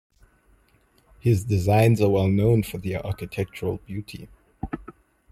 His designs are well known for their architectural beauty.